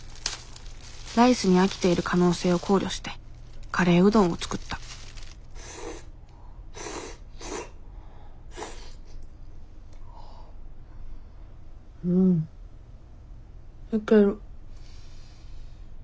ライスに飽きている可能性を考慮してカレーうどんを作ったうんいける。